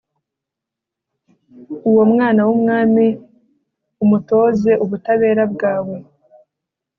uwo mwana w'umwami, umutoze ubutabera bwawe